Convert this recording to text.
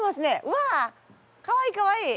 わあかわいいかわいい！